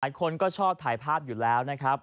คนก็ชอบถ่ายภาพอยู่แล้วนะครับ